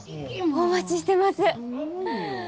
お待ちしてます。